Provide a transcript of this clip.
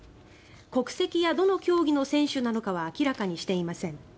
国籍や、どの競技の選手なのかは明らかにしていません。